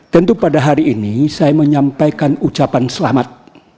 tentu pada hari ini saya menyampaikan ucapan selamat